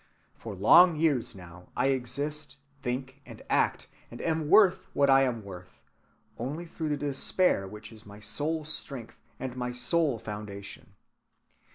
For long years now I exist, think, and act, and am worth what I am worth, only through the despair which is my sole strength and my sole foundation.